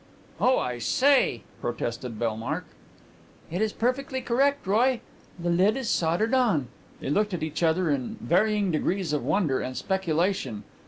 "Oh, I say," protested Bellmark. "It is perfectly correct, Roy. The lid is soldered on." They looked at each other in varying degrees of wonder and speculation.